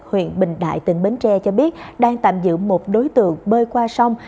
huyện bình đại tỉnh bến tre cho biết đang tạm giữ một đối tượng bơi qua sông